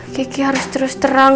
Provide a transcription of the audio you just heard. kiki harus terus terang